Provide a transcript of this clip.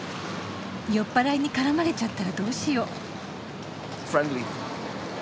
酔っ払いに絡まれちゃったらどうしよう。